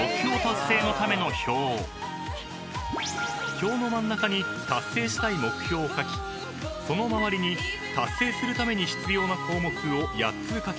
［表の真ん中に達成したい目標を書きその周りに達成するために必要な項目を８つ書きだす］